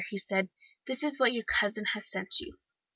"'Look here,' said he, 'this is what your cousin has sent you.